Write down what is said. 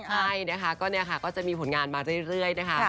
ใช่นะคะก็เนี่ยค่ะก็จะมีผลงานมาเรื่อยนะคะ